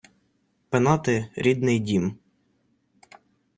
Пенати — рідний дім